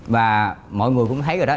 và mọi người cũng thấy rồi đó